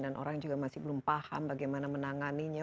dan orang juga masih belum paham bagaimana menangannya